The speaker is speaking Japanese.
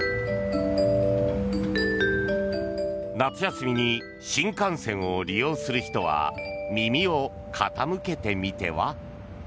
夏休みに新幹線を利用する人は耳を傾けてみては？